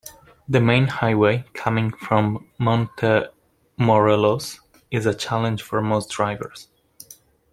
The main highway, coming from Montemorelos, is a challenge for most drivers.